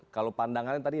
kalau pandangan tadi